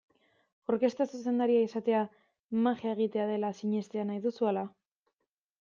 Orkestra zuzendaria izatea magia egitea dela sinestea nahi duzu, ala?